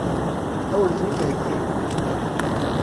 Ad wen-ten-id-theggi?